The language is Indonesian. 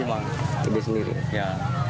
belajar di mana